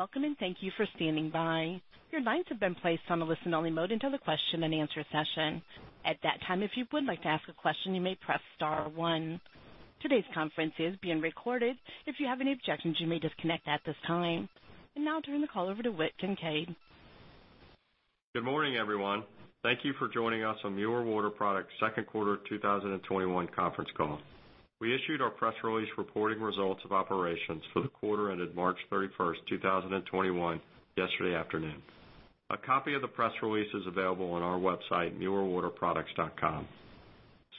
Welcome and thank you for standing by. Your lines have been placed on the listen-only mode until the question and answer session. At that time, if you would like to ask a question, you may press star one. Today's conference is being recorded. If you have any objections, you may disconnect at this time. Now I'll turn the call over to Whit Kincaid. Good morning, everyone. Thank you for joining us on Mueller Water Products' second quarter 2021 conference call. We issued our press release reporting results of operations for the quarter ended March 31st, 2021 yesterday afternoon. A copy of the press release is available on our website, muellerwaterproducts.com.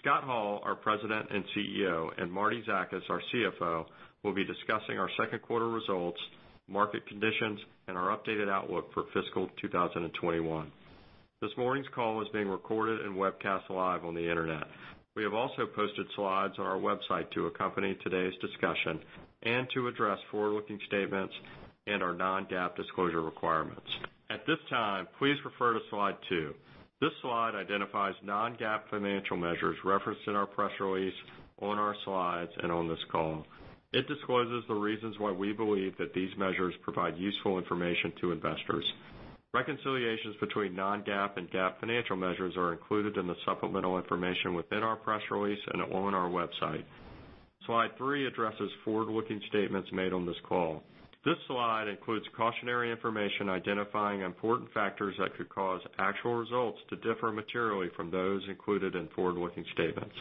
Scott Hall, our President and CEO, and Martie Zakas, our CFO, will be discussing our second quarter results, market conditions, and our updated outlook for fiscal 2021. This morning's call is being recorded and webcast live on the internet. We have also posted slides on our website to accompany today's discussion and to address forward-looking statements and our non-GAAP disclosure requirements. At this time, please refer to slide two. This slide identifies non-GAAP financial measures referenced in our press release, on our slides, and on this call. It discloses the reasons why we believe that these measures provide useful information to investors. Reconciliations between non-GAAP and GAAP financial measures are included in the supplemental information within our press release and on our website. Slide three addresses forward-looking statements made on this call. This slide includes cautionary information identifying important factors that could cause actual results to differ materially from those included in forward-looking statements.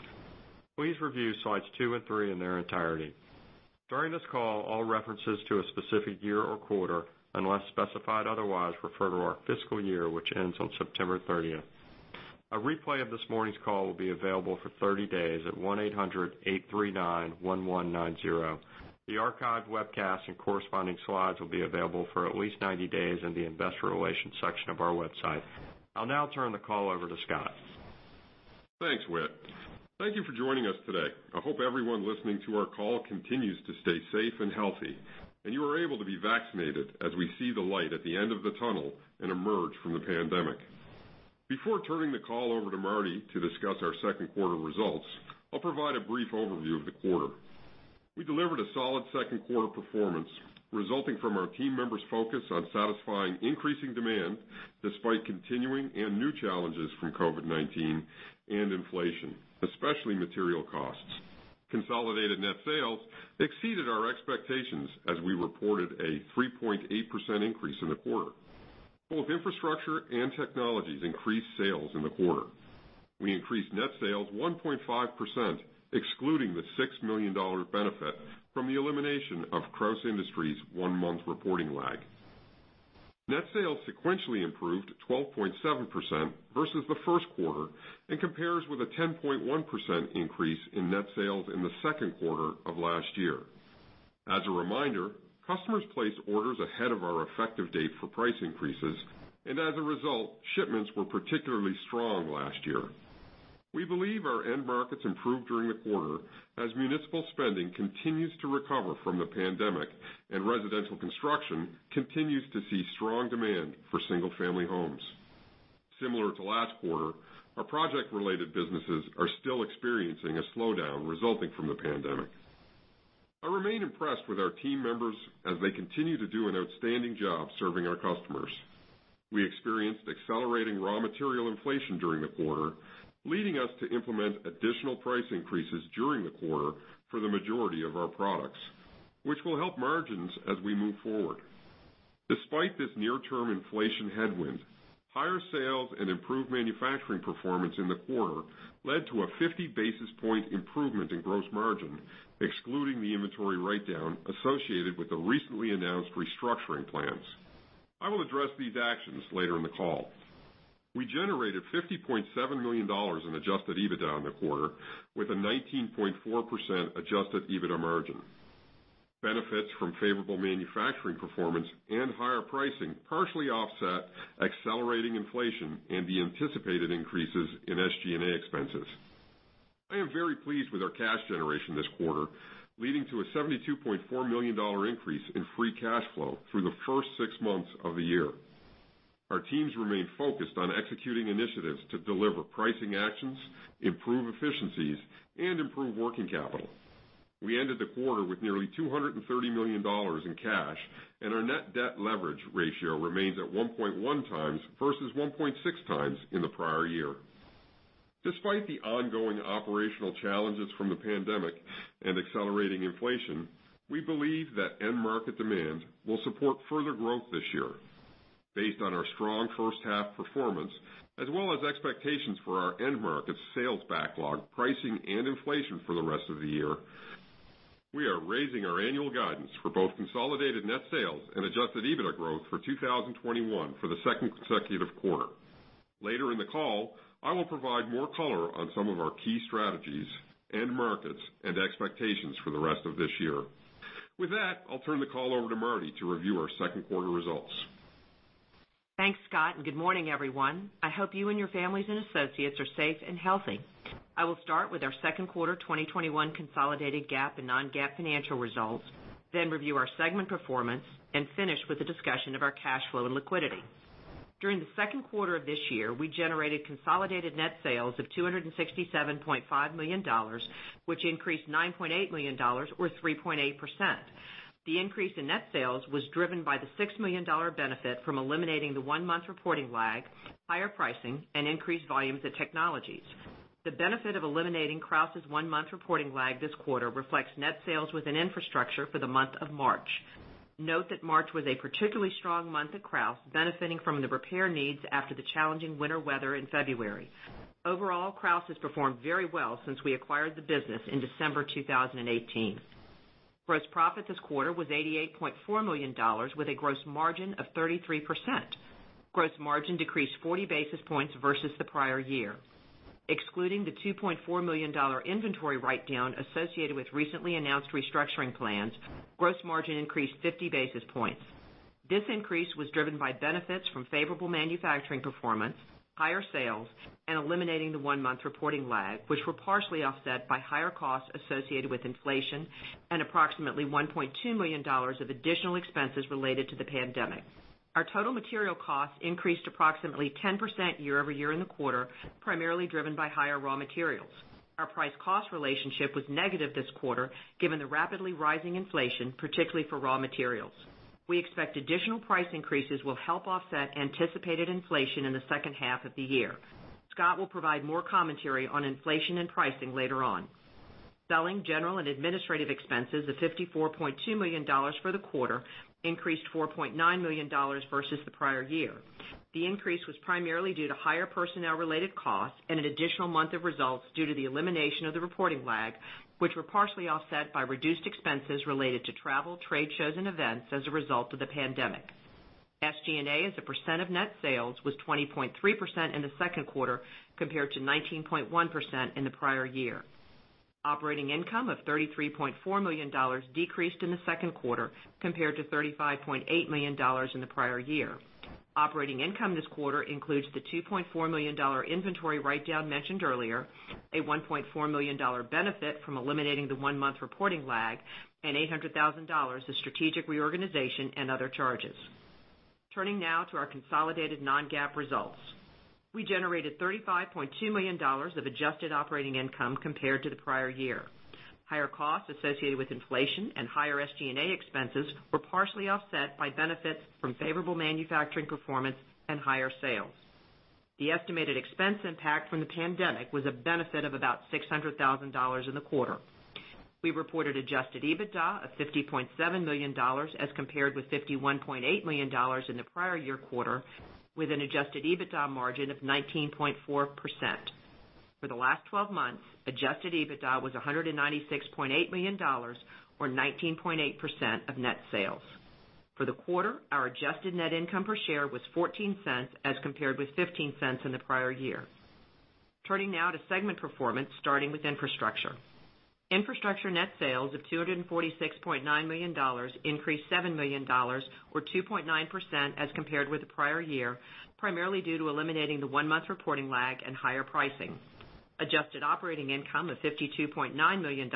Please review slides two and three in their entirety. During this call, all references to a specific year or quarter, unless specified otherwise, refer to our fiscal year, which ends on September 30th. A replay of this morning's call will be available for 30 days at 1-800-839-1190. The archived webcast and corresponding slides will be available for at least 90 days in the investor relations section of our website. I'll now turn the call over to Scott. Thanks, Whit. Thank you for joining us today. I hope everyone listening to our call continues to stay safe and healthy, you are able to be vaccinated as we see the light at the end of the tunnel and emerge from the pandemic. Before turning the call over to Martie to discuss our second quarter results, I'll provide a brief overview of the quarter. We delivered a solid second quarter performance resulting from our team members' focus on satisfying increasing demand despite continuing and new challenges from COVID-19 and inflation, especially material costs. Consolidated net sales exceeded our expectations as we reported a 3.8% increase in the quarter. Both Infrastructure and Technologies increased sales in the quarter. We increased net sales 1.5%, excluding the $6 million benefit from the elimination of Krausz Industries' one-month reporting lag. Net sales sequentially improved 12.7% versus the first quarter and compares with a 10.1% increase in net sales in the second quarter of last year. As a reminder, customers place orders ahead of our effective date for price increases, and as a result, shipments were particularly strong last year. We believe our end markets improved during the quarter as municipal spending continues to recover from the pandemic and residential construction continues to see strong demand for single-family homes. Similar to last quarter, our project-related businesses are still experiencing a slowdown resulting from the pandemic. I remain impressed with our team members as they continue to do an outstanding job serving our customers. We experienced accelerating raw material inflation during the quarter, leading us to implement additional price increases during the quarter for the majority of our products, which will help margins as we move forward. Despite this near-term inflation headwind, higher sales and improved manufacturing performance in the quarter led to a 50-basis-point improvement in gross margin, excluding the inventory write-down associated with the recently announced restructuring plans. I will address these actions later in the call. We generated $50.7 million in adjusted EBITDA in the quarter with a 19.4% adjusted EBITDA margin. Benefits from favorable manufacturing performance and higher pricing partially offset accelerating inflation and the anticipated increases in SGA expenses. I am very pleased with our cash generation this quarter, leading to a $72.4 million increase in free cash flow through the first six months of the year. Our teams remain focused on executing initiatives to deliver pricing actions, improve efficiencies, and improve working capital. We ended the quarter with nearly $230 million in cash, and our net debt leverage ratio remains at 1.1x versus 1.6x in the prior year. Despite the ongoing operational challenges from the pandemic and accelerating inflation, we believe that end market demand will support further growth this year. Based on our strong first half performance as well as expectations for our end market sales backlog pricing and inflation for the rest of the year, we are raising our annual guidance for both consolidated net sales and adjusted EBITDA growth for 2021 for the second consecutive quarter. Later in the call, I will provide more color on some of our key strategies, end markets, and expectations for the rest of this year. With that, I'll turn the call over to Martie to review our second quarter results. Thanks, Scott. Good morning, everyone. I hope you and your families and associates are safe and healthy. I will start with our second quarter 2021 consolidated GAAP and non-GAAP financial results, then review our segment performance, and finish with a discussion of our cash flow and liquidity. During the second quarter of this year, we generated consolidated net sales of $267.5 million, which increased $9.8 million or 3.8%. The increase in net sales was driven by the $6 million benefit from eliminating the one-month reporting lag, higher pricing, and increased volumes at Technologies. The benefit of eliminating Krausz' one-month reporting lag this quarter reflects net sales within Infrastructure for the month of March. Note that March was a particularly strong month at Krausz, benefiting from the repair needs after the challenging winter weather in February. Overall, Krausz has performed very well since we acquired the business in December 2018. Gross profit this quarter was $88.4 million with a gross margin of 33%. Gross margin decreased 40 basis points versus the prior year. Excluding the $2.4 million inventory write-down associated with recently announced restructuring plans, gross margin increased 50 basis points. This increase was driven by benefits from favorable manufacturing performance, higher sales, and eliminating the one-month reporting lag, which were partially offset by higher costs associated with inflation and approximately $1.2 million of additional expenses related to the pandemic. Our total material costs increased approximately 10% year-over-year in the quarter, primarily driven by higher raw materials. Our price cost relationship was negative this quarter given the rapidly rising inflation, particularly for raw materials. We expect additional price increases will help offset anticipated inflation in the second half of the year. Scott will provide more commentary on inflation and pricing later on. Selling, general, and administrative expenses of $54.2 million for the quarter increased $4.9 million versus the prior year. The increase was primarily due to higher personnel-related costs and an additional month of results due to the elimination of the reporting lag, which were partially offset by reduced expenses related to travel, trade shows, and events as a result of the pandemic. SG&A as a percent of net sales was 20.3% in the second quarter compared to 19.1% in the prior year. Operating income of $33.4 million decreased in the second quarter compared to $35.8 million in the prior year. Operating income this quarter includes the $2.4 million inventory write-down mentioned earlier, a $1.4 million benefit from eliminating the one-month reporting lag, and $800,000 of strategic reorganization and other charges. Turning now to our consolidated non-GAAP results. We generated $35.2 million of adjusted operating income compared to the prior year. Higher costs associated with inflation and higher SG&A expenses were partially offset by benefits from favorable manufacturing performance and higher sales. The estimated expense impact from the pandemic was a benefit of about $600,000 in the quarter. We reported adjusted EBITDA of $50.7 million as compared with $51.8 million in the prior year quarter, with an adjusted EBITDA margin of 19.4%. For the last 12 months, adjusted EBITDA was $196.8 million or 19.8% of net sales. For the quarter, our adjusted net income per share was $0.14 as compared with $0.15 in the prior year. Turning now to segment performance starting with Infrastructure. Infrastructure net sales of $246.9 million increased $7 million or 2.9% as compared with the prior year, primarily due to eliminating the one-month reporting lag and higher pricing. Adjusted operating income of $52.9 million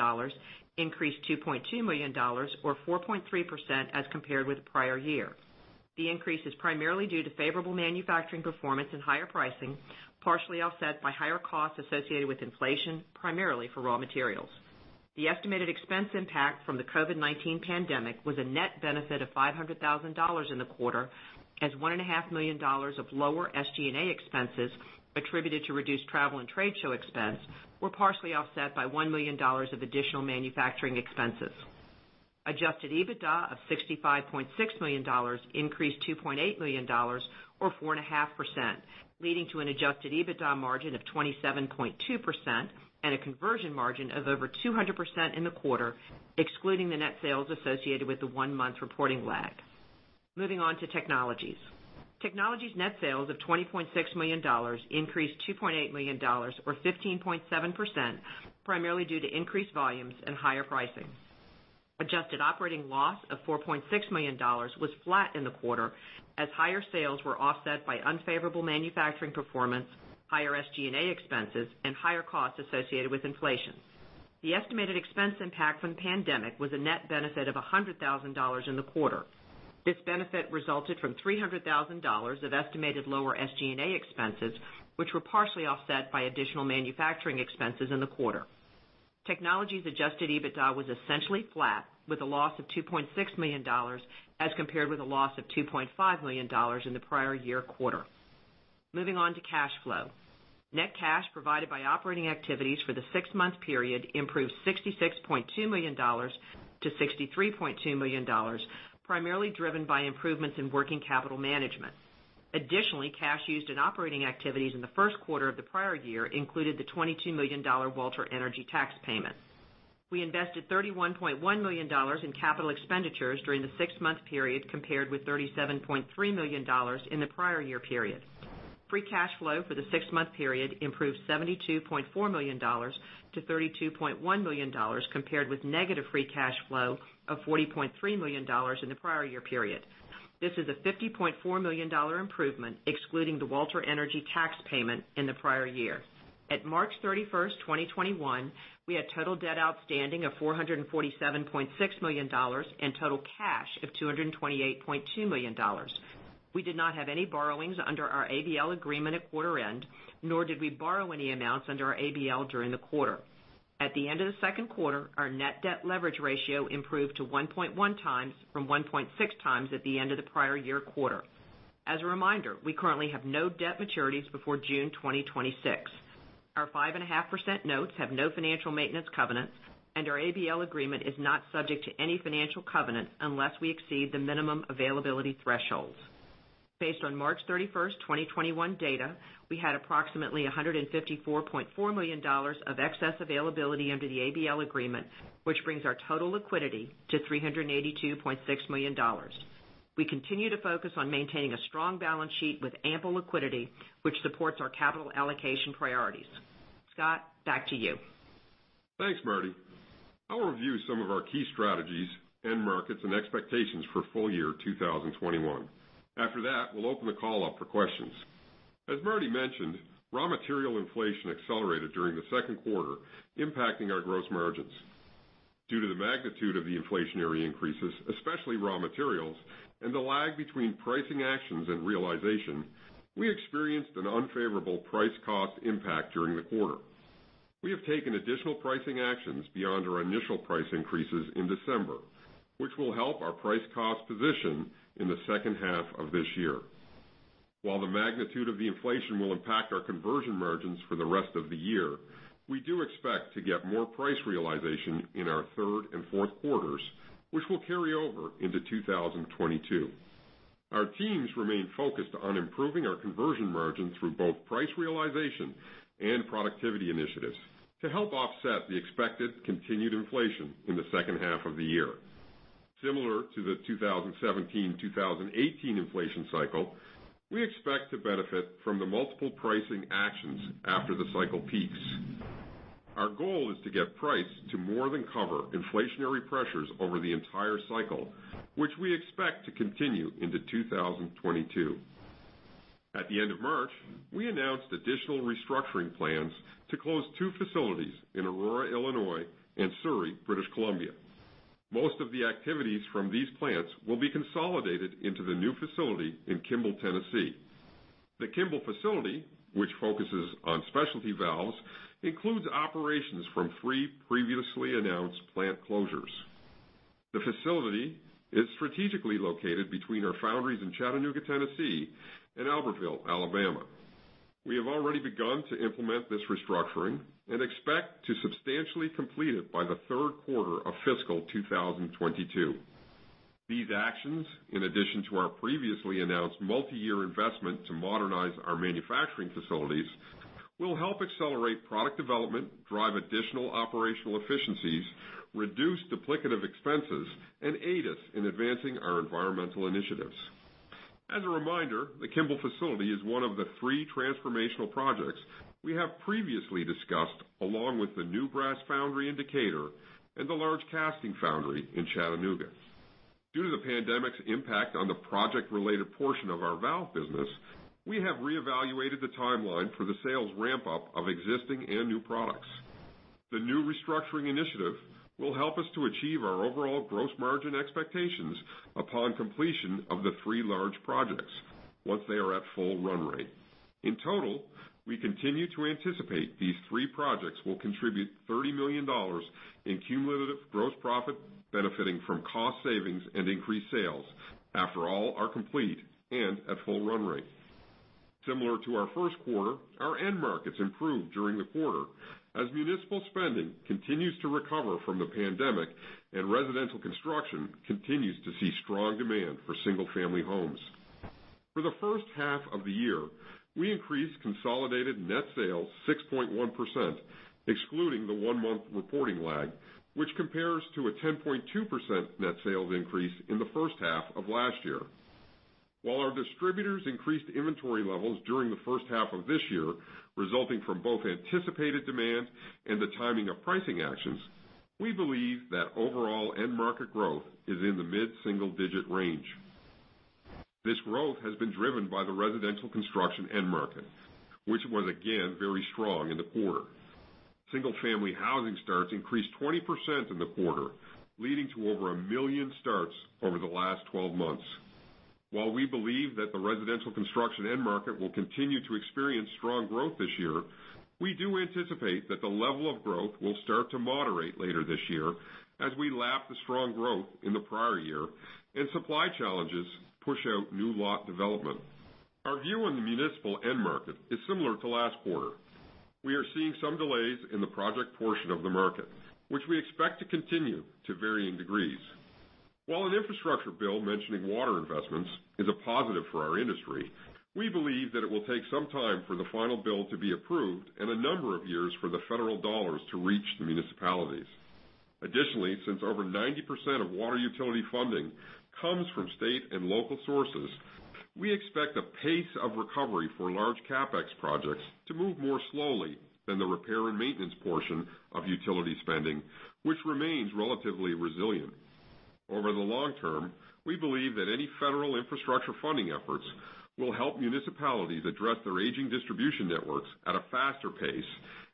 increased $2.2 million or 4.3% as compared with the prior year. The increase is primarily due to favorable manufacturing performance and higher pricing, partially offset by higher costs associated with inflation, primarily for raw materials. The estimated expense impact from the COVID-19 pandemic was a net benefit of $500,000 in the quarter as $1.5 million of lower SG&A expenses attributed to reduced travel and trade show expense were partially offset by $1 million of additional manufacturing expenses. Adjusted EBITDA of $65.6 million increased $2.8 million or 4.5%, leading to an adjusted EBITDA margin of 27.2% and a conversion margin of over 200% in the quarter, excluding the net sales associated with the one-month reporting lag. Moving on to Technologies. Technologies net sales of $20.6 million increased $2.8 million or 15.7%, primarily due to increased volumes and higher pricing. Adjusted operating loss of $4.6 million was flat in the quarter as higher sales were offset by unfavorable manufacturing performance, higher SG&A expenses, and higher costs associated with inflation. The estimated expense impact from the pandemic was a net benefit of $100,000 in the quarter. This benefit resulted from $300,000 of estimated lower SG&A expenses, which were partially offset by additional manufacturing expenses in the quarter. Technologies adjusted EBITDA was essentially flat with a loss of $2.6 million as compared with a loss of $2.5 million in the prior year quarter. Moving on to cash flow. Net cash provided by operating activities for the six-month period improved $66.2 million to $63.2 million, primarily driven by improvements in working capital management. Additionally, cash used in operating activities in the first quarter of the prior year included the $22 million Walter Energy tax payment. We invested $31.1 million in capital expenditures during the six-month period compared with $37.3 million in the prior year period. Free cash flow for the six-month period improved $72.4 million to $32.1 million compared with negative free cash flow of $40.3 million in the prior year period. This is a $50.4 million improvement excluding the Walter Energy tax payment in the prior year. At March 31st, 2021, we had total debt outstanding of $447.6 million and total cash of $228.2 million. We did not have any borrowings under our ABL agreement at quarter end, nor did we borrow any amounts under our ABL during the quarter. At the end of the second quarter, our net debt leverage ratio improved to 1.1x from 1.6x at the end of the prior year quarter. As a reminder, we currently have no debt maturities before June 2026. Our 5.5% notes have no financial maintenance covenants, and our ABL agreement is not subject to any financial covenant unless we exceed the minimum availability thresholds. Based on March 31st, 2021 data, we had approximately $154.4 million of excess availability under the ABL agreement, which brings our total liquidity to $382.6 million. We continue to focus on maintaining a strong balance sheet with ample liquidity, which supports our capital allocation priorities. Scott, back to you. Thanks, Martie. I'll review some of our key strategies, end markets, and expectations for full year 2021. After that, we'll open the call up for questions. As Martie mentioned, raw material inflation accelerated during the second quarter, impacting our gross margins. Due to the magnitude of the inflationary increases, especially raw materials, and the lag between pricing actions and realization, we experienced an unfavorable price-cost impact during the quarter. We have taken additional pricing actions beyond our initial price increases in December, which will help our price-cost position in the second half of this year. While the magnitude of the inflation will impact our conversion margins for the rest of the year, we do expect to get more price realization in our third and fourth quarters, which will carry over into 2022. Our teams remain focused on improving our conversion margins through both price realization and productivity initiatives to help offset the expected continued inflation in the second half of the year. Similar to the 2017-2018 inflation cycle, we expect to benefit from the multiple pricing actions after the cycle peaks. Our goal is to get price to more than cover inflationary pressures over the entire cycle, which we expect to continue into 2022. At the end of March, we announced additional restructuring plans to close two facilities in Aurora, Illinois, and Surrey, British Columbia. Most of the activities from these plants will be consolidated into the new facility in Kimball, Tennessee. The Kimball facility, which focuses on specialty valves, includes operations from three previously announced plant closures. The facility is strategically located between our foundries in Chattanooga, Tennessee, and Albertville, Alabama. We have already begun to implement this restructuring and expect to substantially complete it by the third quarter of fiscal 2022. These actions, in addition to our previously announced multi-year investment to modernize our manufacturing facilities, will help accelerate product development, drive additional operational efficiencies, reduce duplicative expenses, and aid us in advancing our environmental initiatives. As a reminder, the Kimball facility is one of the three transformational projects we have previously discussed, along with the new brass foundry in Decatur and the large casting foundry in Chattanooga. Due to the pandemic's impact on the project-related portion of our valve business, we have reevaluated the timeline for the sales ramp-up of existing and new products. The new restructuring initiative will help us to achieve our overall gross margin expectations upon completion of the three large projects once they are at full run rate. In total, we continue to anticipate these three projects will contribute $30 million in cumulative gross profit benefiting from cost savings and increased sales after all are complete and at full run rate. Similar to our first quarter, our end markets improved during the quarter as municipal spending continues to recover from the pandemic. Residential construction continues to see strong demand for single-family homes. For the first half of the year, we increased consolidated net sales 6.1%, excluding the one-month reporting lag, which compares to a 10.2% net sales increase in the first half of last year. While our distributors increased inventory levels during the first half of this year, resulting from both anticipated demand and the timing of pricing actions, we believe that overall end market growth is in the mid-single-digit range. This growth has been driven by the residential construction end market, which was again very strong in the quarter. Single-family housing starts increased 20% in the quarter, leading to over 1 million starts over the last 12 months. While we believe that the residential construction end market will continue to experience strong growth this year, we do anticipate that the level of growth will start to moderate later this year as we lap the strong growth in the prior year and supply challenges push out new lot development. Our view on the municipal end market is similar to last quarter. We are seeing some delays in the project portion of the market, which we expect to continue to varying degrees. While an infrastructure bill mentioning water investments is a positive for our industry, we believe that it will take some time for the final bill to be approved and a number of years for the federal dollars to reach the municipalities. Additionally, since over 90% of water utility funding comes from state and local sources, we expect the pace of recovery for large CapEx projects to move more slowly than the repair and maintenance portion of utility spending, which remains relatively resilient. Over the long term, we believe that any federal infrastructure funding efforts will help municipalities address their aging distribution networks at a faster pace,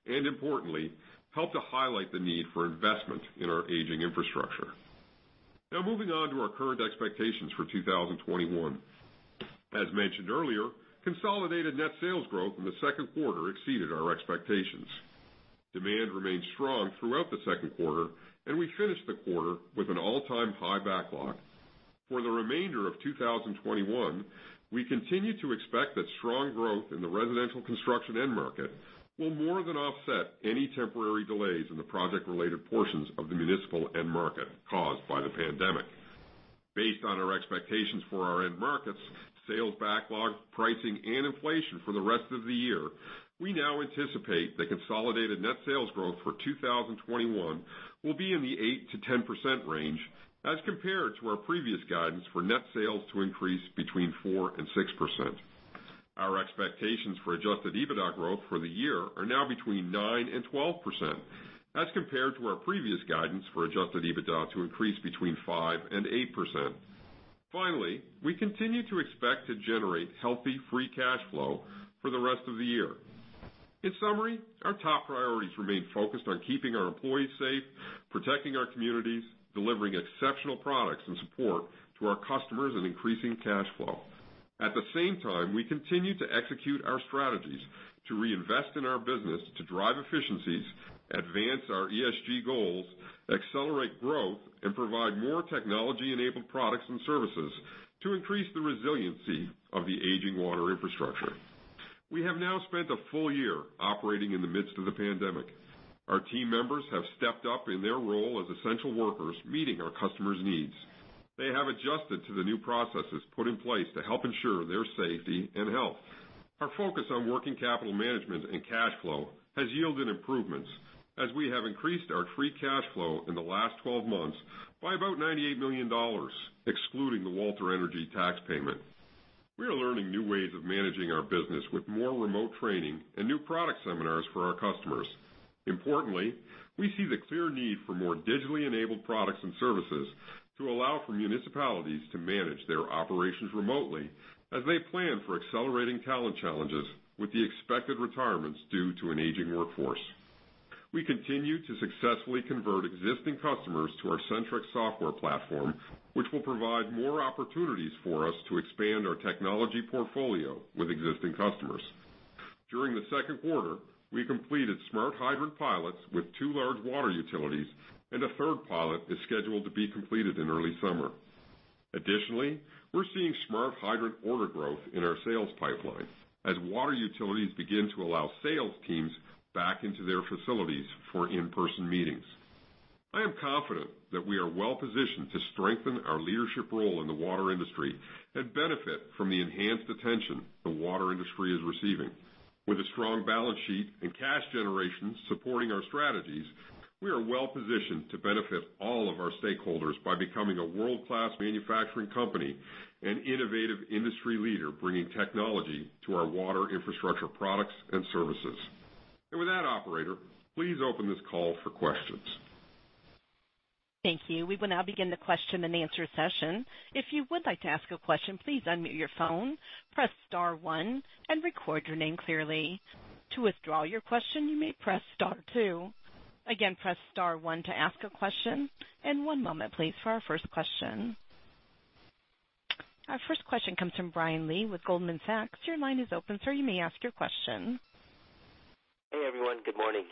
and importantly, help to highlight the need for investment in our aging infrastructure. Now, moving on to our current expectations for 2021. As mentioned earlier, consolidated net sales growth in the second quarter exceeded our expectations. Demand remained strong throughout the second quarter, and we finished the quarter with an all-time high backlog. For the remainder of 2021, we continue to expect that strong growth in the residential construction end market will more than offset any temporary delays in the project-related portions of the municipal end market caused by the pandemic. Based on our expectations for our end markets, sales backlog, pricing, and inflation for the rest of the year, we now anticipate that consolidated net sales growth for 2021 will be in the 8%-10% range, as compared to our previous guidance for net sales to increase between 4% and 6%. Our expectations for adjusted EBITDA growth for the year are now between 9% and 12%, as compared to our previous guidance for adjusted EBITDA to increase between 5% and 8%. We continue to expect to generate healthy free cash flow for the rest of the year. In summary, our top priorities remain focused on keeping our employees safe, protecting our communities, delivering exceptional products and support to our customers, and increasing cash flow. At the same time, we continue to execute our strategies to reinvest in our business to drive efficiencies, advance our ESG goals, accelerate growth, and provide more technology-enabled products and services to increase the resiliency of the aging water Infrastructure. We have now spent a full year operating in the midst of the pandemic. Our team members have stepped up in their role as essential workers, meeting our customers' needs. They have adjusted to the new processes put in place to help ensure their safety and health. Our focus on working capital management and cash flow has yielded improvements as we have increased our free cash flow in the last 12 months by about $98 million, excluding the Walter Energy tax payment. We are learning new ways of managing our business with more remote training and new product seminars for our customers. Importantly, we see the clear need for more digitally enabled products and services to allow for municipalities to manage their operations remotely as they plan for accelerating talent challenges with the expected retirements due to an aging workforce. We continue to successfully convert existing customers to our Sentryx software platform, which will provide more opportunities for us to expand our technology portfolio with existing customers. During the second quarter, we completed Smart Hydrant pilots with two large water utilities, and a third pilot is scheduled to be completed in early summer. Additionally, we're seeing Smart Hydrant order growth in our sales pipeline as water utilities begin to allow sales teams back into their facilities for in-person meetings. I am confident that we are well-positioned to strengthen our leadership role in the water industry and benefit from the enhanced attention the water industry is receiving. With a strong balance sheet and cash generation supporting our strategies, we are well-positioned to benefit all of our stakeholders by becoming a world-class manufacturing company and innovative industry leader, bringing technology to our water infrastructure products and services. With that, operator, please open this call for questions. Thank you. We will now begin the question-and-answer session. If you would like to ask a question, please unmute your phone, press star one, and record your name clearly. To withdraw your question, you may press star two. Again, press star one to ask a question. One moment, please, for our first question. Our first question comes from Brian Lee with Goldman Sachs. Your line is open, sir. You may ask your question. Hey, everyone. Good morning.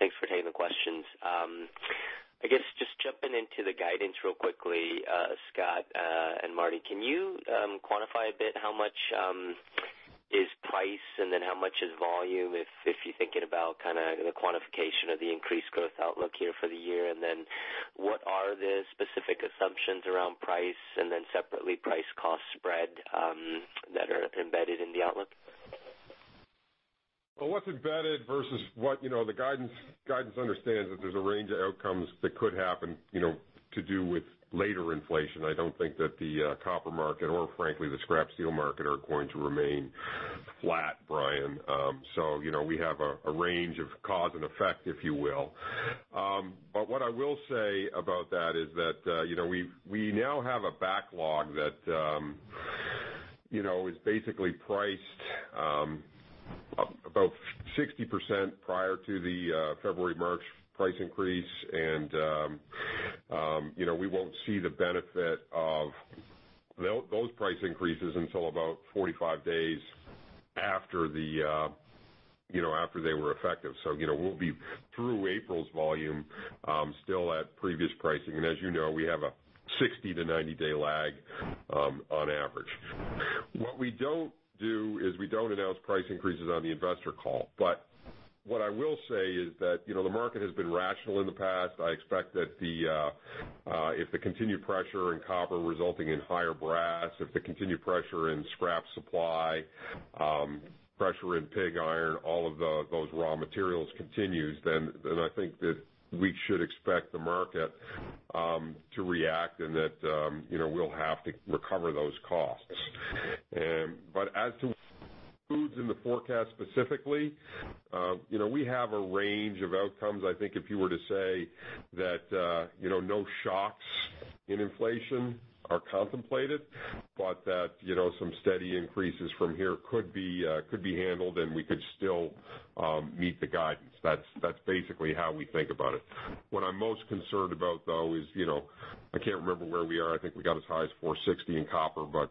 Thanks for taking the questions. I guess just jumping into the guidance real quickly, Scott, and Martie, can you quantify a bit how much is price and then how much is volume if you're thinking about the quantification of the increased growth outlook here for the year? What are the specific assumptions around price and then separately price-cost spread that are embedded in the outlook? Well, what's embedded versus what the guidance understands that there's a range of outcomes that could happen to do with later inflation. I don't think that the copper market or frankly, the scrap steel market, are going to remain flat, Brian. We have a range of cause and effect, if you will. What I will say about that is that we now have a backlog that is basically priced about 60% prior to the February, March price increase. We won't see the benefit of those price increases until about 45 days after they were effective. We'll be through April's volume still at previous pricing. As you know, we have a 60 to 90-day lag on average. What we don't do is we don't announce price increases on the investor call. What I will say is that the market has been rational in the past. I expect that if the continued pressure in copper resulting in higher brass, if the continued pressure in scrap supply, pressure in pig iron, all of those raw materials continues, then I think that we should expect the market to react and that we'll have to recover those costs. As to-Moves in the forecast specifically. We have a range of outcomes. I think if you were to say that no shocks in inflation are contemplated, but that some steady increases from here could be handled and we could still meet the guidance. That's basically how we think about it. What I'm most concerned about, though, is, I can't remember where we are, I think we got as high as $4.60 in copper, but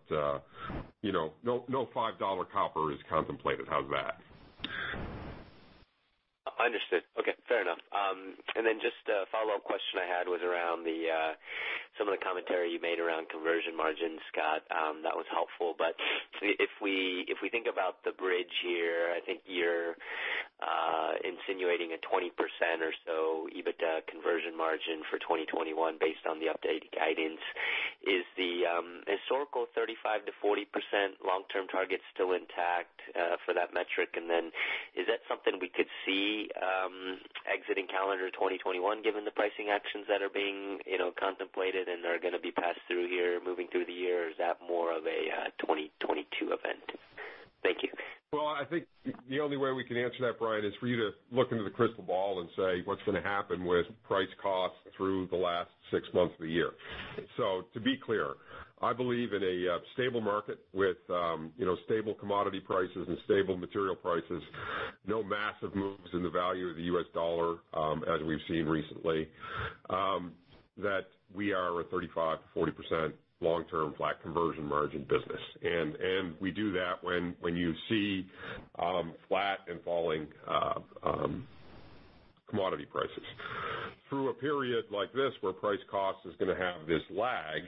no $5 copper is contemplated. How's that? Understood. Okay, fair enough. Just a follow-up question I had was around some of the commentary you made around conversion margins, Scott. That was helpful. If we think about the bridge here, I think you're insinuating a 20% or so EBITDA conversion margin for 2021 based on the updated guidance. Is the historical 35%-40% long-term target still intact for that metric? Is that something we could see exiting calendar 2021 given the pricing actions that are being contemplated and are going to be passed through here moving through the year? Is that more of a 2022 event? Thank you. I think the only way we can answer that, Brian, is for you to look into the crystal ball and say what's going to happen with price cost through the last six months of the year. To be clear, I believe in a stable market with stable commodity prices and stable material prices, no massive moves in the value of the U.S. dollar, as we've seen recently, that we are a 35%-40% long-term flat conversion margin business. We do that when you see flat and falling commodity prices. Through a period like this where price cost is going to have this lag,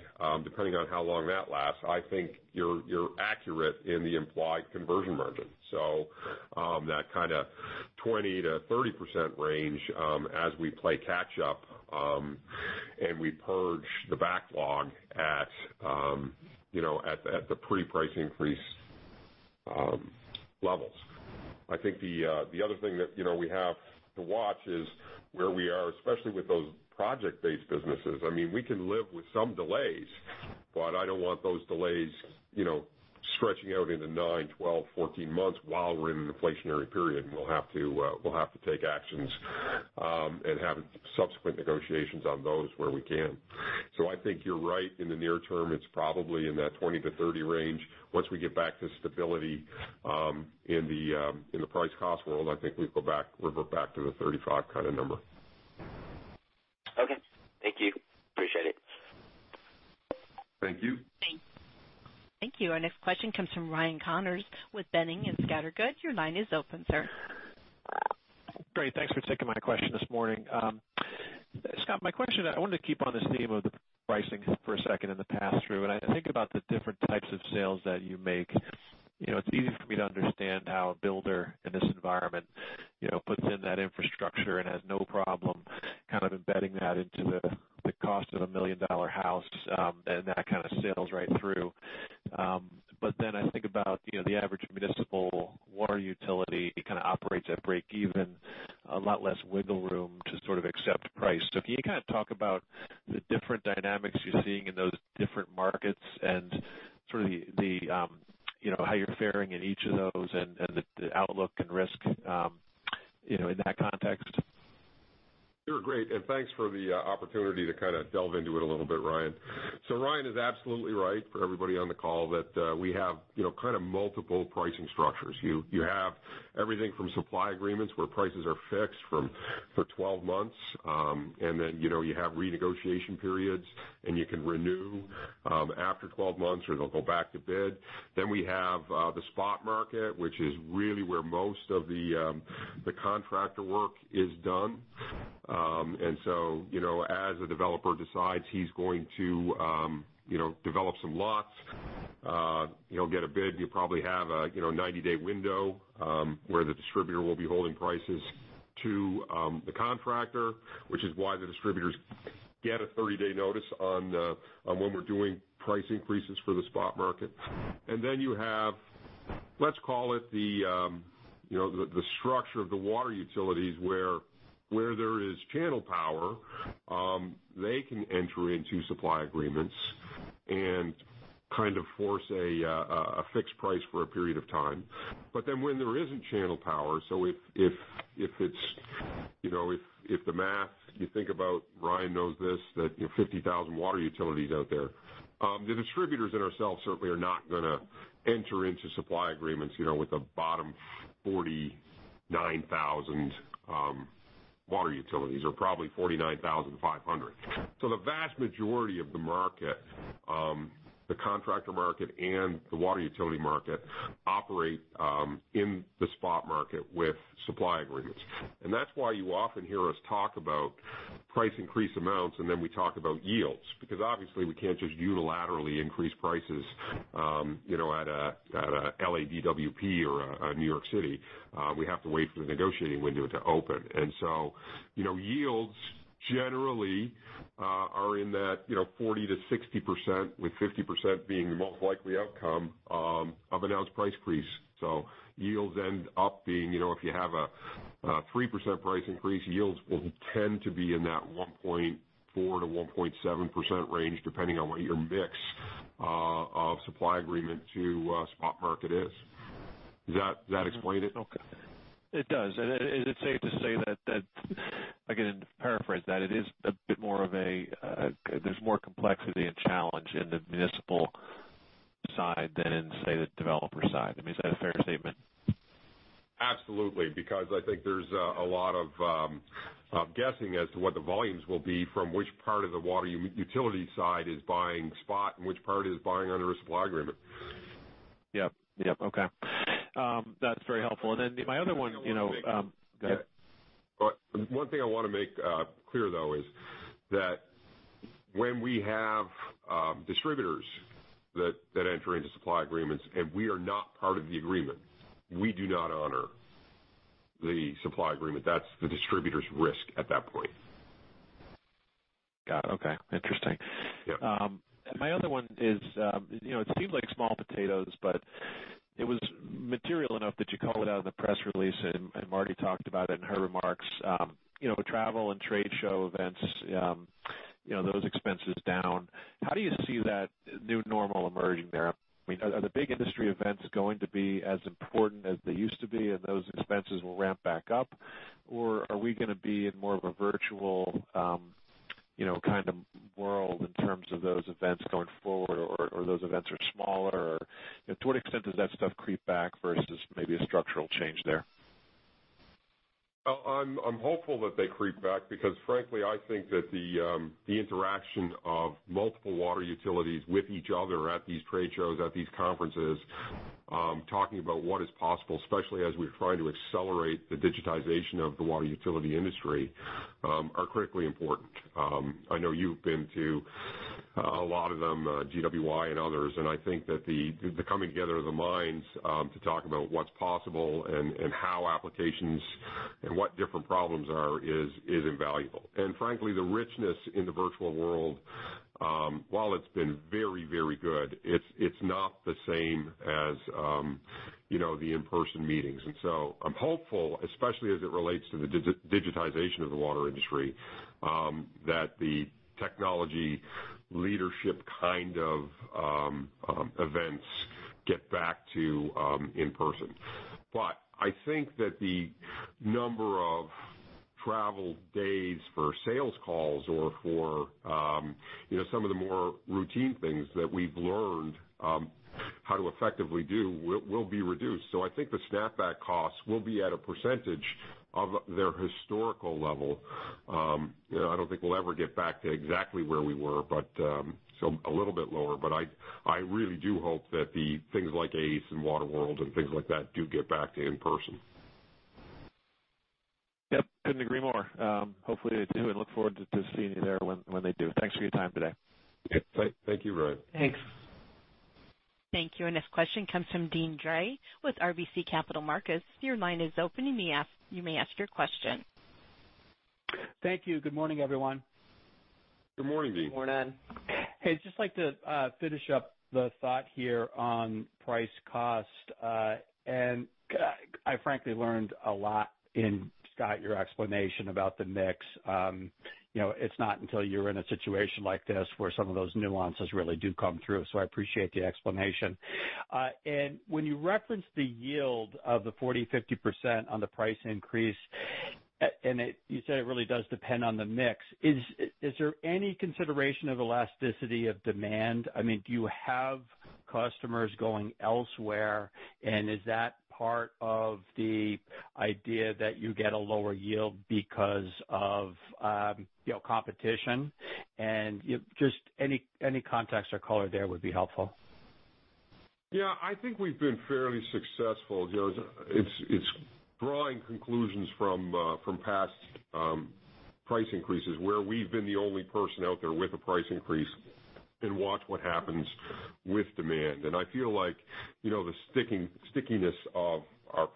depending on how long that lasts, I think you're accurate in the implied conversion margin. That kind of 20%-30% range as we play catch up, and we purge the backlog at the pre-price increase levels. I think the other thing that we have to watch is where we are, especially with those project-based businesses. We can live with some delays, but I don't want those delays stretching out into nine, 12, 14 months while we're in an inflationary period, and we'll have to take actions, and have subsequent negotiations on those where we can. I think you're right. In the near term, it's probably in that 20%-30% range. Once we get back to stability in the price cost world, I think we revert back to the 35% kind of number. Okay. Thank you. Appreciate it. Thank you. Thank you. Our next question comes from Ryan Connors with Boenning & Scattergood. Your line is open, sir. Great. Thanks for taking my question this morning. Scott, my question, I wanted to keep on this theme of the pricing for a second and the pass-through, and I think about the different types of sales that you make. It's easy for me to understand how a builder in this environment puts in that infrastructure and has no problem kind of embedding that into the cost of a $1 million house, and that kind of sails right through. Then I think about the average municipal water utility kind of operates at breakeven, a lot less wiggle room to sort of accept price. Can you kind of talk about the different dynamics you're seeing in those different markets and sort of how you're faring in each of those and the outlook and risk in that context? Sure. Great. Thanks for the opportunity to kind of delve into it a little bit, Ryan. Ryan is absolutely right for everybody on the call that we have kind of multiple pricing structures. You have everything from supply agreements where prices are fixed for 12 months, then you have renegotiation periods, you can renew after 12 months, or they'll go back to bid. We have the spot market, which is really where most of the contractor work is done. As a developer decides he's going to develop some lots, he'll get a bid. You probably have a 90-day window, where the distributor will be holding prices to the contractor, which is why the distributors get a 30-day notice on when we're doing price increases for the spot market. You have, let's call it the structure of the water utilities where there is channel power, they can enter into supply agreements and kind of force a fixed price for a period of time. When there isn't channel power, if the math, you think about, Ryan knows this, that 50,000 water utilities out there. The distributors and ourselves certainly are not gonna enter into supply agreements with the bottom 49,000 water utilities or probably 49,500. The vast majority of the market, the contractor market and the water utility market, operate in the spot market with supply agreements. That's why you often hear us talk about price increase amounts, and then we talk about yields. Obviously we can't just unilaterally increase prices at a LADWP or a New York City. We have to wait for the negotiating window to open. Yields generally are in that 40%-60%, with 50% being the most likely outcome of announced price increase. Yields end up being, if you have a 3% price increase, yields will tend to be in that 1.4%-1.7% range, depending on what your mix of supply agreement to spot market is. Does that explain it? Okay. It does. Is it safe to say that, again, to paraphrase that, it is a bit more of a, there's more complexity and challenge in the municipal side than in, say, the developer side. I mean, is that a fair statement? Absolutely, because I think there's a lot of guessing as to what the volumes will be from which part of the water utility side is buying spot and which part is buying under a supply agreement. Yep. Okay. That's very helpful. One thing I want to make- Go ahead. One thing I want to make clear, though, is that when we have distributors that enter into supply agreements and we are not part of the agreement, we do not honor the supply agreement. That's the distributor's risk at that point. Got it. Okay. Interesting. Yeah. My other one is, it seems like small potatoes, but it was material enough that you called out in the press release and Martie talked about it in her remarks. Travel and trade show events, those expenses down. How do you see that new normal emerging there? I mean, are the big industry events going to be as important as they used to be, and those expenses will ramp back up? Are we going to be in more of a virtual kind of world in terms of those events going forward, or those events are smaller? To what extent does that stuff creep back versus maybe a structural change there? I'm hopeful that they creep back because frankly, I think that the interaction of multiple water utilities with each other at these trade shows, at these conferences talking about what is possible, especially as we're trying to accelerate the digitization of the water utility industry are critically important. I know you've been to a lot of them, GWY and others, I think that the coming together of the minds to talk about what's possible and how applications and what different problems are, is invaluable. Frankly, the richness in the virtual world, while it's been very, very good, it's not the same as the in-person meetings. So I'm hopeful, especially as it relates to the digitization of the water industry, that the technology leadership kind of events get back to in-person. I think that the number of travel days for sales calls or for some of the more routine things that we've learned how to effectively do, will be reduced. I think the snapback costs will be at a percentage of their historical level. I don't think we'll ever get back to exactly where we were, but a little bit lower. I really do hope that the things like ACE and WaterWorld and things like that do get back to in-person. Yep. Couldn't agree more. Hopefully they do, and look forward to seeing you there when they do. Thanks for your time today. Yep. Thank you, Ryan. Thanks. Thank you. This question comes from Deane Dray with RBC Capital Markets. Your line is open. You may ask your question. Thank you. Good morning, everyone. Good morning, Deane. Morning. Hey, just like to finish up the thought here on price cost. I frankly learned a lot in, Scott, your explanation about the mix. It's not until you're in a situation like this where some of those nuances really do come through. I appreciate the explanation. When you referenced the yield of the 40%, 50% on the price increase, and you said it really does depend on the mix. Is there any consideration of elasticity of demand? I mean, do you have customers going elsewhere, and is that part of the idea that you get a lower yield because of competition? Just any context or color there would be helpful. Yeah, I think we've been fairly successful. It's drawing conclusions from past price increases where we've been the only person out there with a price increase and watch what happens with demand. I feel like the stickiness of our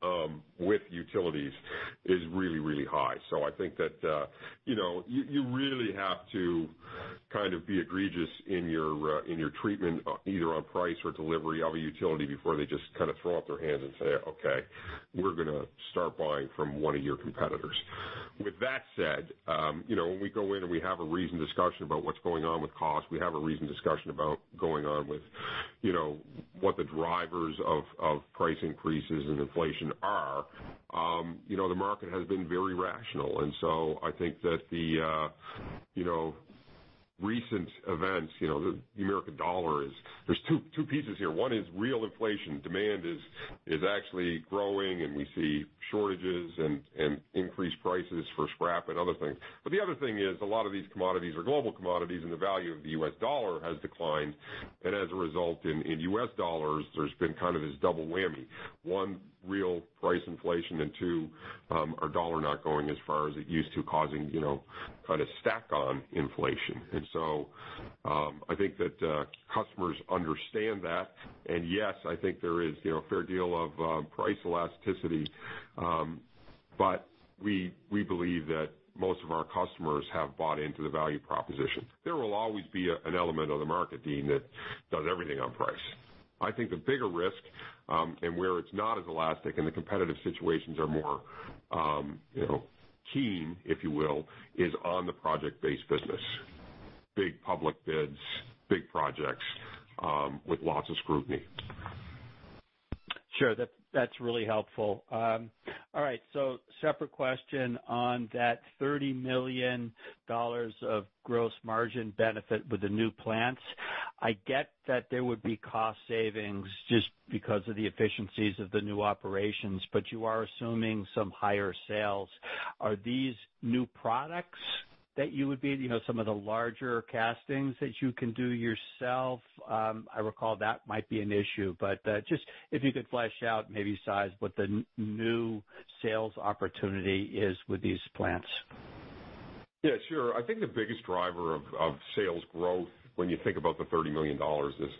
products with utilities is really, really high. I think that you really have to be egregious in your treatment, either on price or delivery of a utility before they just throw up their hands and say, "Okay, we're going to start buying from one of your competitors." With that said, when we go in and we have a reasoned discussion about what's going on with cost, we have a reasoned discussion about going on with what the drivers of price increases and inflation are. The market has been very rational. I think that the recent events, there's two pieces here. One is real inflation. Demand is actually growing, and we see shortages and increased prices for scrap and other things. The other thing is a lot of these commodities are global commodities, and the value of the US dollar has declined. As a result, in US dollars, there's been this double whammy. One, real price inflation, and two, our dollar not going as far as it used to, causing stack on inflation. I think that customers understand that. Yes, I think there is a fair deal of price elasticity, but we believe that most of our customers have bought into the value proposition. There will always be an element of the market, Deane, that does everything on price. I think the bigger risk, and where it's not as elastic and the competitive situations are more keen, if you will, is on the project-based business. Big public bids, big projects with lots of scrutiny. Sure. That's really helpful. All right. Separate question on that $30 million of gross margin benefit with the new plants. I get that there would be cost savings just because of the efficiencies of the new operations, but you are assuming some higher sales. Are these new products that you would be, some of the larger castings that you can do yourself? I recall that might be an issue, but just if you could flesh out maybe size, what the new sales opportunity is with these plants. Yeah, sure. I think the biggest driver of sales growth when you think about the $30 million is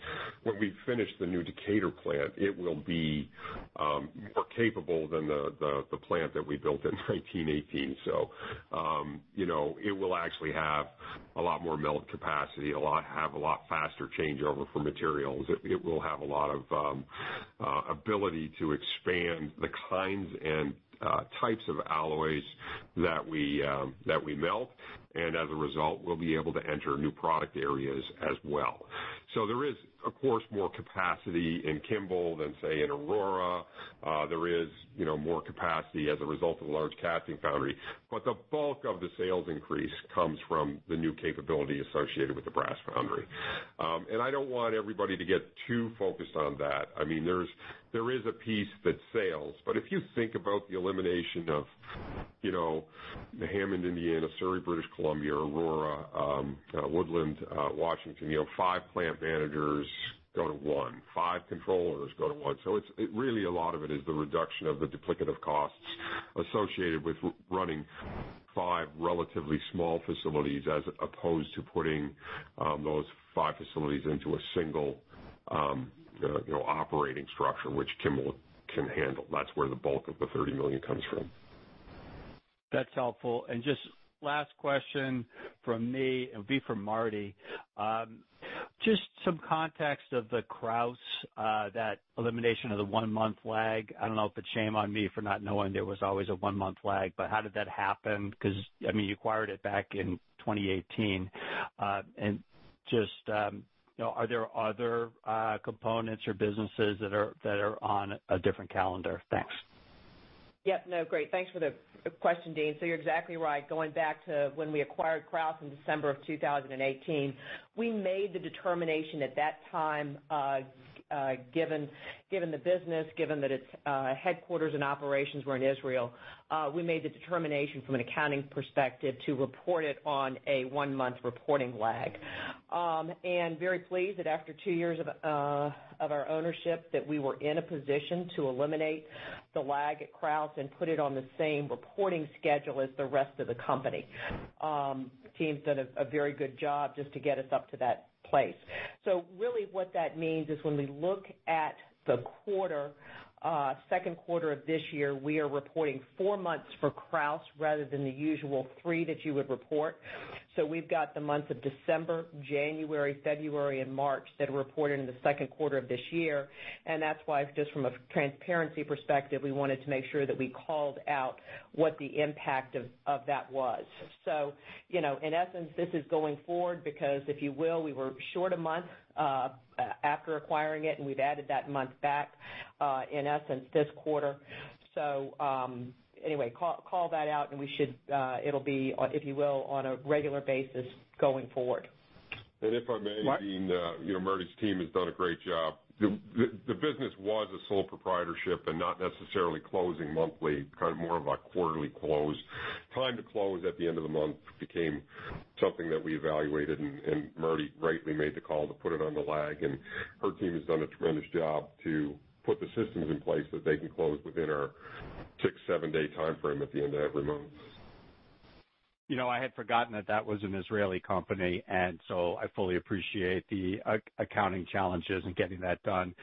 when we finish the new Decatur plant, it will be more capable than the plant that we built in 1918. It will actually have a lot more melt capacity, have a lot faster changeover for materials. It will have a lot of ability to expand the kinds and types of alloys that we melt, as a result, we'll be able to enter new product areas as well. There is, of course, more capacity in Kimball than, say, in Aurora. There is more capacity as a result of the large casting foundry. The bulk of the sales increase comes from the new capability associated with the brass foundry. I don't want everybody to get too focused on that. There is a piece that's sales, but if you think about the elimination of the Hammond, Indiana, Surrey, British Columbia, Aurora, Woodland, Washington. Five plant managers go to one. Five controllers go to one. Really a lot of it is the reduction of the duplicative costs associated with running five relatively small facilities as opposed to putting those five facilities into a single operating structure which Kimball can handle. That's where the bulk of the $30 million comes from. That's helpful. Just last question from me, it would be for Martie. Just some context of the Krausz, that elimination of the one-month lag. I don't know if it's shame on me for not knowing there was always a one-month lag, how did that happen? You acquired it back in 2018. Just are there other components or businesses that are on a different calendar? Thanks. Yep. No, great. Thanks for the question, Deane. You're exactly right. Going back to when we acquired Krausz in December of 2018, we made the determination at that time, given the business, given that its headquarters and operations were in Israel, we made the determination from an accounting perspective to report it on a one-month reporting lag. Very pleased that after two years of our ownership, that we were in a position to eliminate the lag at Krausz and put it on the same reporting schedule as the rest of the company. Team's done a very good job just to get us up to that place. Really what that means is when we look at the second quarter of this year, we are reporting four months for Krausz rather than the usual three that you would report. We've got the months of December, January, February and March that are reported in the second quarter of this year, and that's why just from a transparency perspective, we wanted to make sure that we called out what the impact of that was. In essence, this is going forward because, if you will, we were short a month after acquiring it, and we've added that month back, in essence, this quarter. Anyway, call that out, and it'll be, if you will, on a regular basis going forward. If I may, Deane. Martie. Martie's team has done a great job. The business was a sole proprietorship and not necessarily closing monthly, kind of more of a quarterly close. Time to close at the end of the month became something that we evaluated, and Martie rightly made the call to put it on the lag, and her team has done a tremendous job to put the systems in place that they can close within our six, seven-day timeframe at the end of every month. I had forgotten that that was an Israeli company, and so I fully appreciate the accounting challenges in getting that done.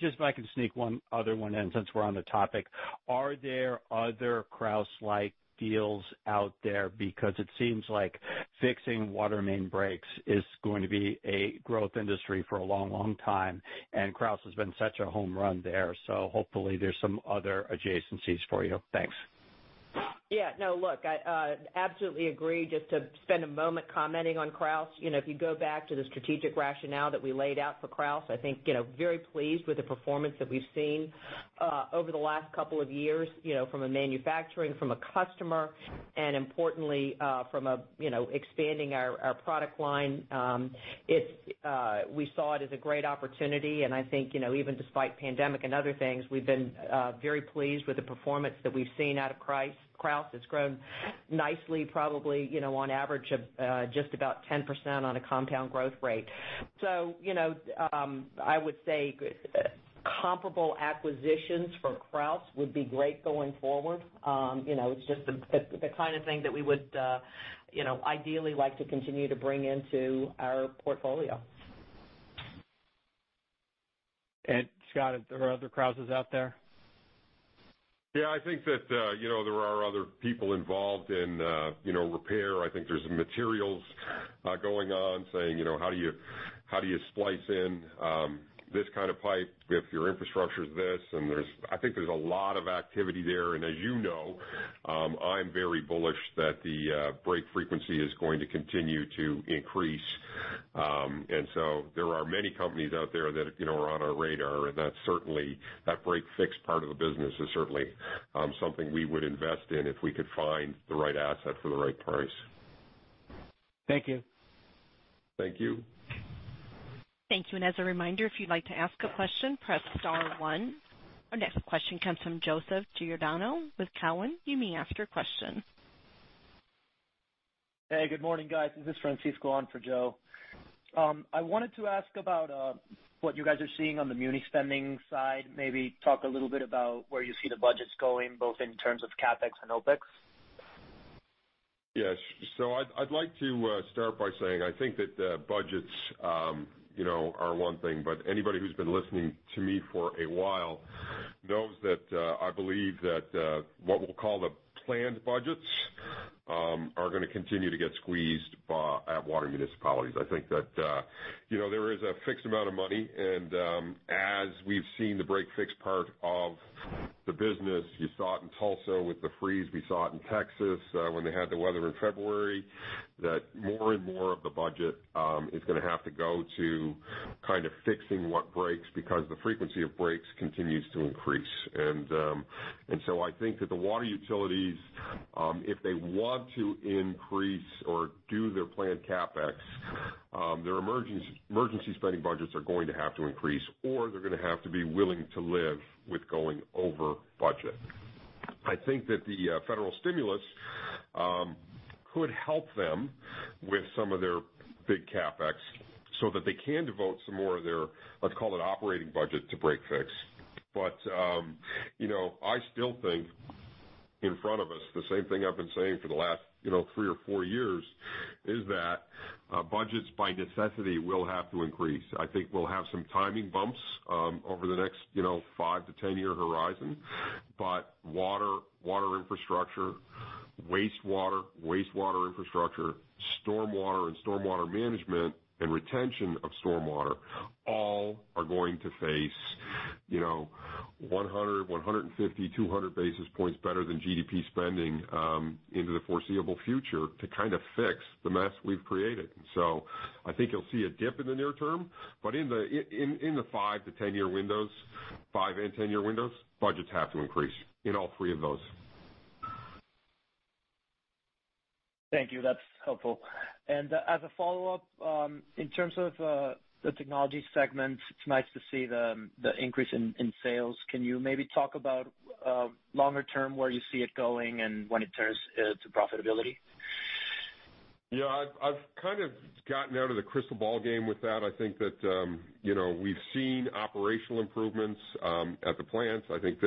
Just if I can sneak one other one in since we're on the topic, are there other Krausz-like deals out there? It seems like fixing water main breaks is going to be a growth industry for a long time, and Krausz has been such a home run there. Hopefully there's some other adjacencies for you. Thanks. Yeah. No. Look, I absolutely agree. Just to spend a moment commenting on Krausz. If you go back to the strategic rationale that we laid out for Krausz, I think, very pleased with the performance that we've seen over the last couple of years from a manufacturing, from a customer, and importantly, from expanding our product line. We saw it as a great opportunity, and I think even despite pandemic and other things, we've been very pleased with the performance that we've seen out of Krausz. It's grown nicely, probably on average of just about 10% on a compound growth rate. I would say comparable acquisitions for Krausz would be great going forward. It's just the kind of thing that we would ideally like to continue to bring into our portfolio. Scott, are there other Krauszes out there? Yeah, I think that there are other people involved in repair. I think there's materials going on, saying how do you splice in this kind of pipe if your infrastructure's this? I think there's a lot of activity there. As you know, I'm very bullish that the break frequency is going to continue to increase. There are many companies out there that are on our radar, and that break-fix part of the business is certainly something we would invest in if we could find the right asset for the right price. Thank you. Thank you. Thank you. As a reminder, if you'd like to ask a question, press star one. Our next question comes from Joseph Giordano with Cowen. You may ask your question. Hey, good morning, guys. This is Francisco on for Joe. I wanted to ask about what you guys are seeing on the muni spending side. Maybe talk a little bit about where you see the budgets going, both in terms of CapEx and OpEx. Yes. I'd like to start by saying, I think that budgets are one thing, but anybody who's been listening to me for a while knows that I believe that what we'll call the planned budgets are going to continue to get squeezed at water municipalities. I think that there is a fixed amount of money, and as we've seen the break-fix part of the business, you saw it in Tulsa with the freeze, we saw it in Texas when they had the weather in February, that more and more of the budget is going to have to go to fixing what breaks because the frequency of breaks continues to increase. I think that the water utilities, if they want to increase or do their planned CapEx, their emergency spending budgets are going to have to increase, or they're going to have to be willing to live with going over budget. I think that the federal stimulus could help them with some of their big CapEx so that they can devote some more of their, let's call it operating budget, to break-fix. I still think in front of us, the same thing I've been saying for the last three or four years, is that budgets by necessity will have to increase. I think we'll have some timing bumps over the next five to 10-year horizon. Water infrastructure, wastewater infrastructure, stormwater and stormwater management and retention of stormwater all are going to face 100, 150, 200 basis points better than GDP spending into the foreseeable future to fix the mess we've created. I think you'll see a dip in the near term, but in the five and 10-year windows, budgets have to increase in all three of those. Thank you. That's helpful. As a follow-up, in terms of the Technologies segment, it's nice to see the increase in sales. Can you maybe talk about longer term, where you see it going and when it turns to profitability? Yeah, I've gotten out of the crystal ball game with that. I think that we've seen operational improvements at the plants. I think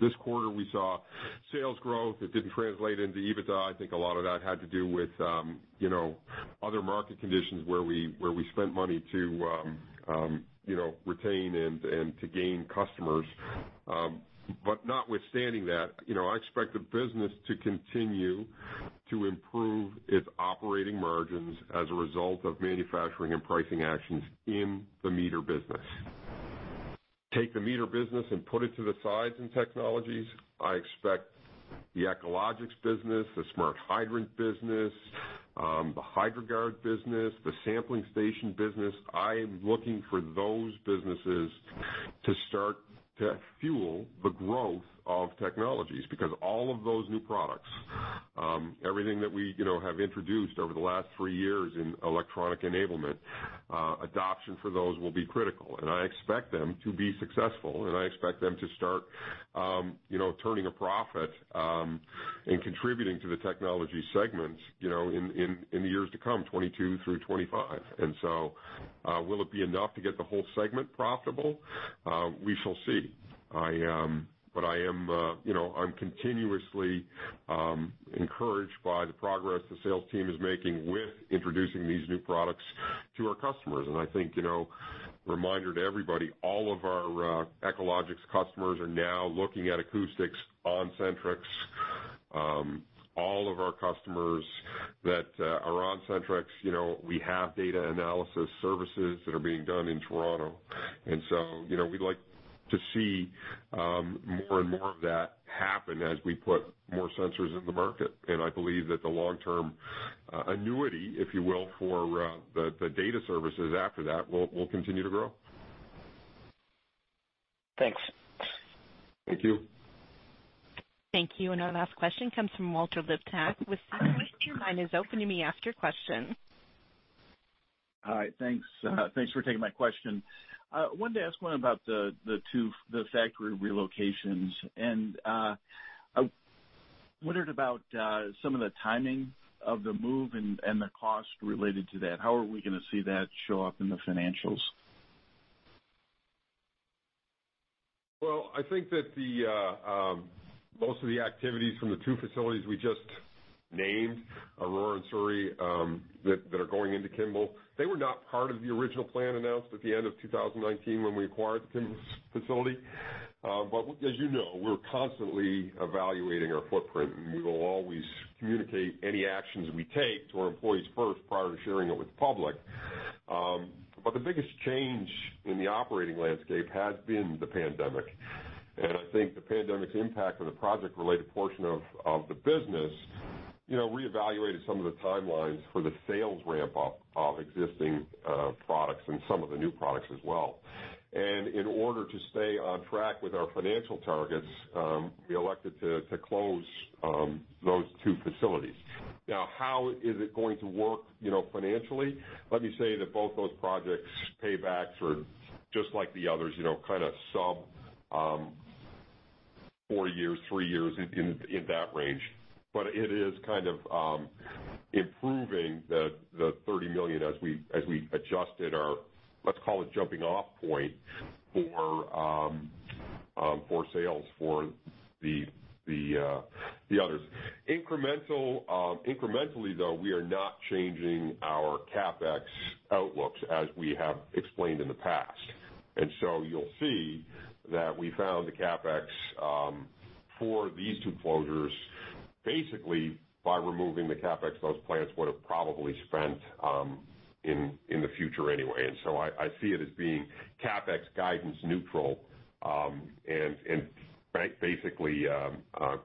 this quarter we saw sales growth. It didn't translate into EBITDA. I think a lot of that had to do with other market conditions where we spent money to retain and to gain customers. Notwithstanding that, I expect the business to continue to improve its operating margins as a result of manufacturing and pricing actions in the meter business. Take the meter business and put it to the sides in Technologies, I expect the Echologics business, the Smart Hydrant business, the Hydro-Guard business, the Sampling Station business, I am looking for those businesses to start to fuel the growth of Technologies because all of those new products, everything that we have introduced over the last three years in electronic enablement, adoption for those will be critical, and I expect them to be successful, and I expect them to start turning a profit, and contributing to the Technologies segment in the years to come, 2022 through 2025. Will it be enough to get the whole segment profitable? We shall see. I'm continuously encouraged by the progress the sales team is making with introducing these new products to our customers. I think, reminder to everybody, all of our Echologics customers are now looking at acoustics on Sentryx. All of our customers that are on Sentryx, we have data analysis services that are being done in Toronto. We'd like to see more and more of that happen as we put more sensors in the market. I believe that the long-term annuity, if you will, for the data services after that will continue to grow. Thanks. Thank you. Thank you. Our last question comes from Walter Liptak with Seaport Global. Your line is open. You may ask your question. Hi, thanks. Thanks for taking my question. I wanted to ask one about the two factory relocations, and I wondered about some of the timing of the move and the cost related to that. How are we going to see that show up in the financials? Well, I think that most of the activities from the two facilities we just named, Aurora and Surrey, that are going into Kimball, they were not part of the original plan announced at the end of 2019 when we acquired the Kimball facility. As you know, we're constantly evaluating our footprint, and we will always communicate any actions we take to our employees first prior to sharing it with the public. The biggest change in the operating landscape has been the pandemic. I think the pandemic's impact on the project-related portion of the business reevaluated some of the timelines for the sales ramp-up of existing products and some of the new products as well. In order to stay on track with our financial targets, we elected to close those two facilities. Now, how is it going to work financially? Let me say that both those projects' paybacks are just like the others, sub four years, three years, in that range. It is improving the $30 million as we adjusted our, let's call it, jumping off point for sales for the others. Incrementally, though, we are not changing our CapEx outlooks as we have explained in the past. You'll see that we found the CapEx for these two closures, basically, by removing the CapEx those plants would've probably spent in the future anyway. I see it as being CapEx guidance neutral, and basically,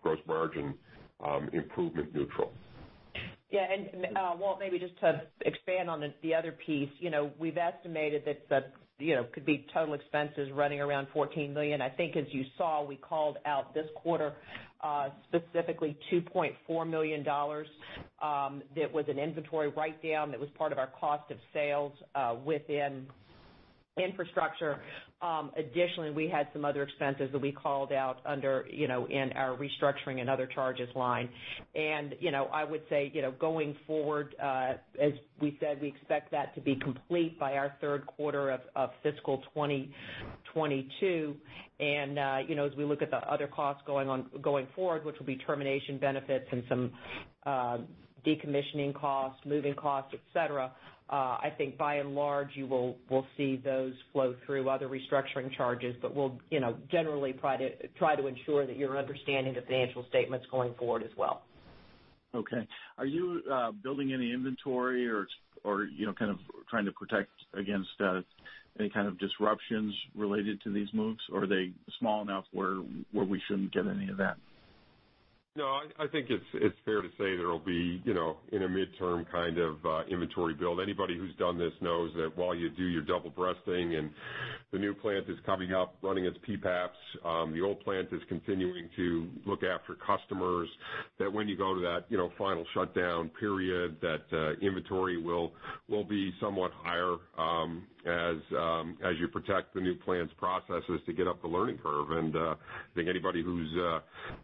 gross margin improvement neutral. Yeah. Walter, maybe just to expand on the other piece. We've estimated that could be total expenses running around $14 million. I think, as you saw, we called out this quarter, specifically $2.4 million. That was an inventory write-down that was part of our cost of sales within Infrastructure. Additionally, we had some other expenses that we called out under in our restructuring and other charges line. I would say, going forward, as we said, we expect that to be complete by our third quarter of fiscal 2022. As we look at the other costs going forward, which will be termination benefits and some decommissioning costs, moving costs, et cetera, I think by and large, you will see those flow through other restructuring charges. We'll generally try to ensure that you're understanding the financial statements going forward as well. Okay. Are you building any inventory or, kind of trying to protect against any kind of disruptions related to these moves, or are they small enough where we shouldn't get any of that? No, I think it's fair to say there'll be in a midterm kind of inventory build. Anybody who's done this knows that while you do your double breasting and the new plant is coming up running its PPAPs, the old plant is continuing to look after customers, that when you go to that final shutdown period, that inventory will be somewhat higher as you protect the new plant's processes to get up the learning curve. I think anybody who's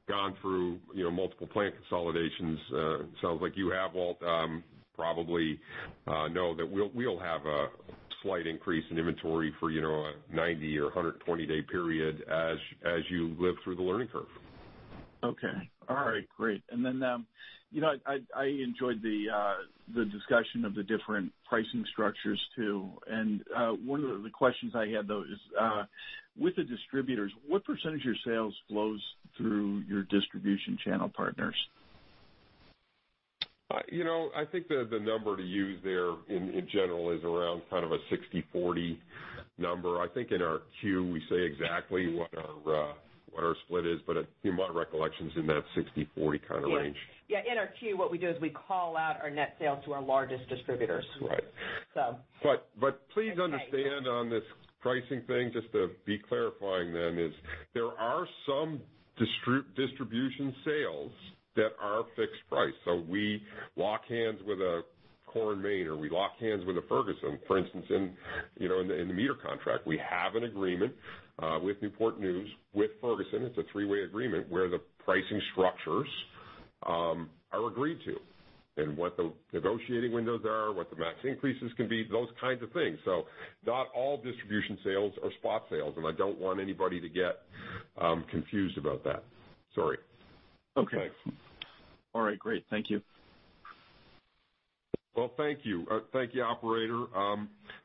gone through multiple plant consolidations, sounds like you have, Walter, probably know that we'll have a slight increase in inventory for a 90 or 120-day period as you live through the learning curve. Okay. All right. Great. I enjoyed the discussion of the different pricing structures, too. One of the questions I had, though, is, with the distributors, what % of your sales flows through your distribution channel partners? I think the number to use there, in general, is around kind of a 60/40 number. I think in our Q we say exactly what our split is, but my recollection's in that 60/40 kind of range. Yeah. In our Q, what we do is we call out our net sales to our largest distributors. Right. So. Please understand on this pricing thing, just to be clarifying then is, there are some distribution sales that are fixed price. We lock hands with a Core & Main, or we lock hands with a Ferguson. For instance, in the meter contract, we have an agreement with Newport News, with Ferguson. It's a three-way agreement where the pricing structures are agreed to and what the negotiating windows are, what the max increases can be, those kinds of things. Not all distribution sales are spot sales, and I don't want anybody to get confused about that. Sorry. Okay. All right. Great. Thank you. Well, thank you. Thank you, operator.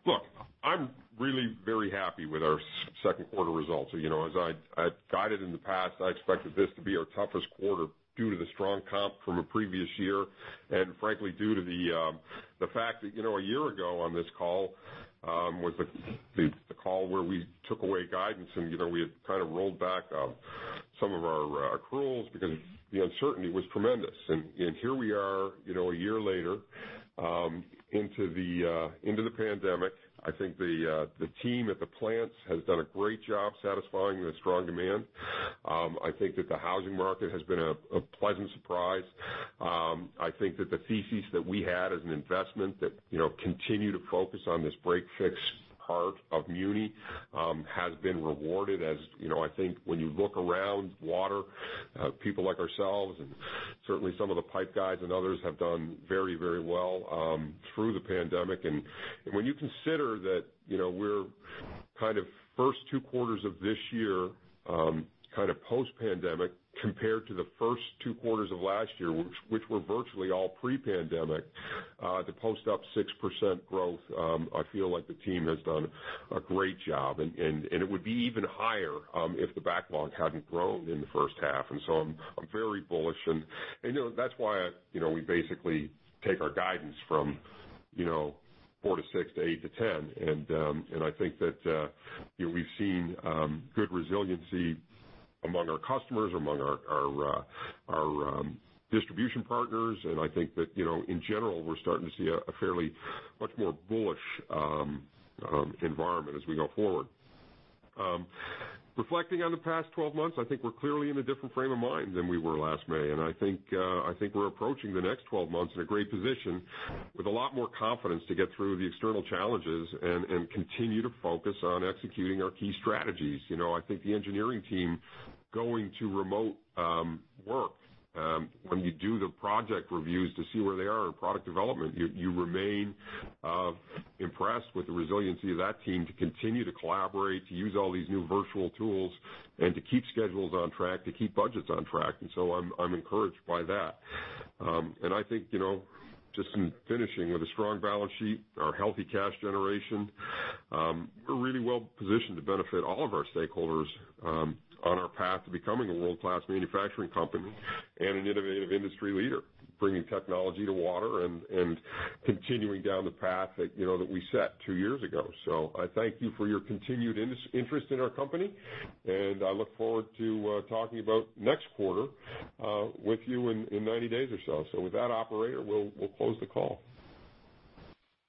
Look, I'm really very happy with our second quarter results. As I've guided in the past, I expected this to be our toughest quarter due to the strong comp from a previous year, and frankly, due to the fact that a year ago on this call, was the call where we took away guidance and we had kind of rolled back some of our accruals because the uncertainty was tremendous. Here we are a year later into the pandemic. I think the team at the plants has done a great job satisfying the strong demand. I think that the housing market has been a pleasant surprise. I think that the thesis that we had as an investment that continue to focus on this break-fix part of muni has been rewarded as I think when you look around water, people like ourselves and certainly some of the pipe guys and others have done very well through the pandemic. When you consider that we're kind of first two quarters of this year, kind of post-pandemic compared to the first two quarters of last year, which were virtually all pre-pandemic, to post up 6% growth, I feel like the team has done a great job. It would be even higher if the backlog hadn't grown in the first half. I'm very bullish and that's why we basically take our guidance from four to six to eight to 10. I think that we've seen good resiliency among our customers, among our distribution partners, and I think that in general, we're starting to see a fairly much more bullish environment as we go forward. Reflecting on the past 12 months, I think we're clearly in a different frame of mind than we were last May. I think we're approaching the next 12 months in a great position with a lot more confidence to get through the external challenges and continue to focus on executing our key strategies. I think the engineering team going to remote work, when you do the project reviews to see where they are in product development, you remain impressed with the resiliency of that team to continue to collaborate, to use all these new virtual tools, and to keep schedules on track, to keep budgets on track. So I'm encouraged by that. I think, just in finishing, with a strong balance sheet, our healthy cash generation, we're really well positioned to benefit all of our stakeholders on our path to becoming a world-class manufacturing company and an innovative industry leader, bringing technology to water and continuing down the path that we set two years ago. I thank you for your continued interest in our company, and I look forward to talking about next quarter with you in 90 days or so. With that, operator, we'll close the call.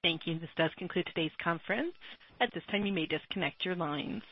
Thank you. This does conclude today's conference. At this time, you may disconnect your lines.